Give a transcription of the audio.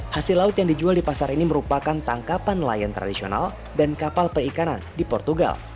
hasil laut yang dijual di pasar ini merupakan tangkapan layan tradisional dan kapal perikanan di portugal